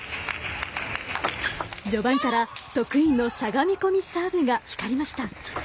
序盤から得意のしゃがみ込みサーブが光りました。